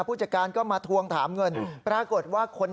ผู้จัดการก็มาทวงถามเงิน